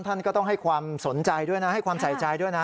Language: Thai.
ท่านก็ต้องให้ความสนใจด้วยนะให้ความใส่ใจด้วยนะ